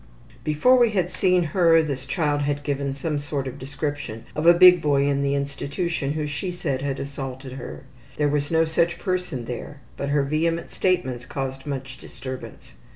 '' Before we had seen her this child had given some sort of description of a big boy in the institution who she said had assaulted her. There was no such person there, but her vehement statements caused much disturbance.